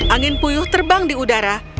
angin puyuh terbang di udara